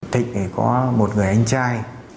thịnh có một người anh trai